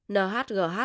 nhgh xác định như sau